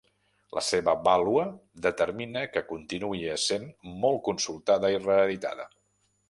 La seva vàlua determina que continuï essent molt consultada i reeditada.